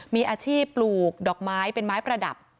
มีอาชีพปลูกดอกไม้เป็นไม้ประดับ